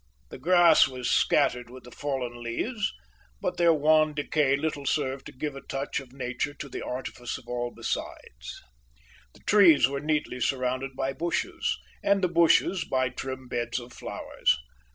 The grass was scattered with the fallen leaves, but their wan decay little served to give a touch of nature to the artifice of all besides. The trees were neatly surrounded by bushes, and the bushes by trim beds of flowers.